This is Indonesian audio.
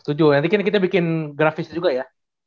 setuju nanti kita bikin grafis juga ya